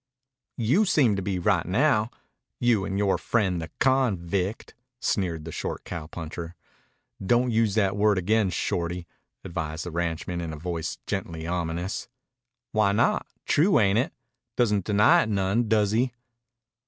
"You seem to be right now. You and yore friend the convict," sneered the short cowpuncher. "Don't use that word again, Shorty," advised the ranchman in a voice gently ominous. "Why not? True, ain't it? Doesn't deny it none, does he?"